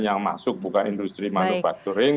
yang masuk bukan industri manufacturing